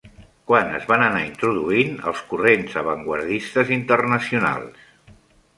Quan es van anar introduint els corrents avantguardistes internacionals?